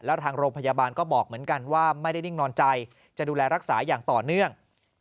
แล้วทางโรงพยาบาลก็บอกเหมือนกันว่าไม่ได้นิ่งนอนใจจะดูแลรักษาอย่างต่อเนื่อง